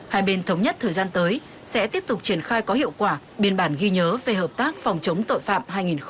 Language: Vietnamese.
hai bên thống nhất thời gian tới sẽ tiếp tục triển khai có hiệu quả biên bản ghi nhớ về hợp tác phòng chống tội phạm hai nghìn hai mươi